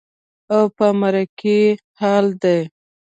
او په مرګي حال دى.